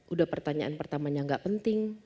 udah pertanyaan pertamanya gak penting